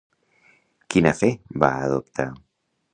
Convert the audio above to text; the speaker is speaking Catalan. Quina fe va adoptar?